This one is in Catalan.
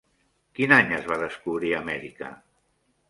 Quin any es va descobrir Amèrica?